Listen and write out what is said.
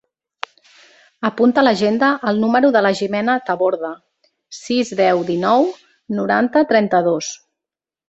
Apunta a l'agenda el número de la Jimena Taborda: sis, deu, dinou, noranta, trenta-dos.